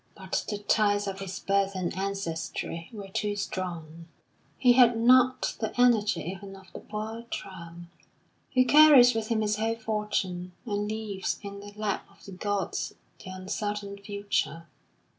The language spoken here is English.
But the ties of his birth and ancestry were too strong; he had not the energy even of the poor tramp, who carries with him his whole fortune, and leaves in the lap of the gods the uncertain future.